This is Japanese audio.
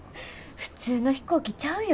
普通の飛行機ちゃうよ。